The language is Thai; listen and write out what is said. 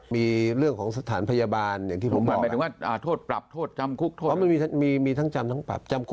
มีเรื่องของสถานพยาบาลอย่างที่ผมบอก